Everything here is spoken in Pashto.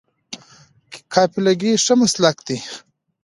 قابله ګي ښه مسلک دی